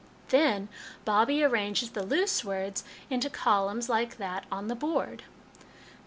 " Then Bobbie arranges the loose words into columns like that on the board.